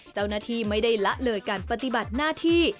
เจ้าหน้าที่ไม่ได้ละเลยการปฏิบัติหน้าที่